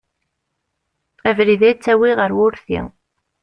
Abrid-a yettawi ɣer wurti.